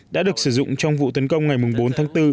đã được sử dụng trong vụ tấn công ngày bốn tháng bốn